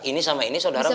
ini sama ini sodara bukan